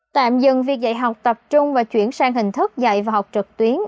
tạm dừng việc dạy học tập trung và chuyển sang hình thức dạy và học trực tuyến